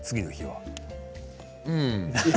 うん。